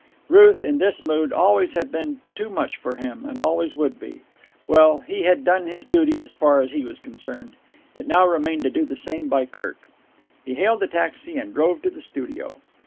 Ruth, in this mood, always had been too much for him, and always would be. Well, he had done his duty as far as he was concerned. It now remained to do the same by Kirk. He hailed a taxi and drove to the studio.